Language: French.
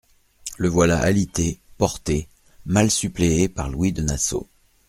Le voilà alité, porté, mal suppléé par Louis de Nassau.